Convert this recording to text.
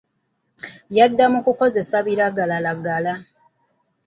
Yadde kukozesa biragalalagala.